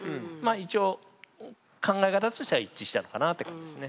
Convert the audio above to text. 一応考え方としては一致したのかなって感じですね。